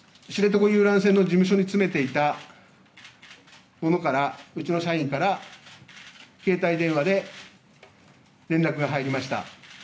私は、知床遊覧船の事務所に詰めていた者から、うちの社員から携帯電話で連絡が入りました。